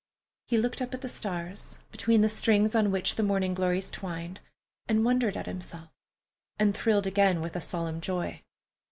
He looked up at the stars, between the strings on which the morning glories twined, and wondered at himself, and thrilled again with a solemn joy.